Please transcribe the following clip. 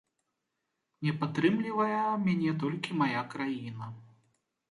Не падтрымлівае мяне толькі мая краіна.